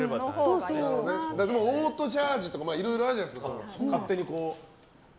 でもオートチャージとかいろいろあるじゃないですか。